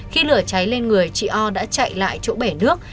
khi lửa cháy lên người chị o đã chạy lại chỗ bể nước